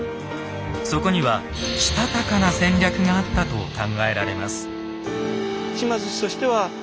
そこにはしたたかな戦略があったと考えられます。